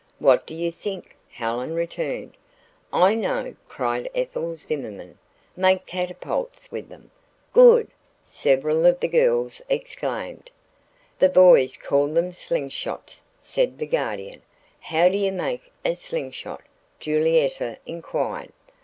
"What do you think?" Helen returned. "I know," cried Ethel Zimmerman. "Make catapults with them." "Good!" several of the girls exclaimed. "The boys call them slingshots," said the Guardian. "How do you make a slingshot?" Julietta inquired.